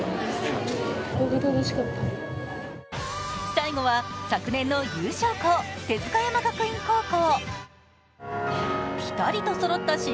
最後は昨年の優勝校、帝塚山学院高校。